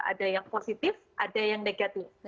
ada yang positif ada yang negatif